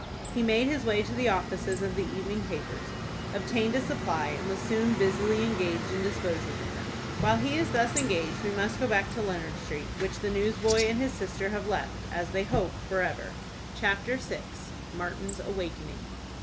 He made his way to the offices of the evening papers, obtained a supply, and was soon busily engaged in disposing of them. While he is thus engaged, we must go back to Leonard Street, which the newsboy and his sister have left, as they hope, forever. CHAPTER VI. MARTIN'S AWAKENING.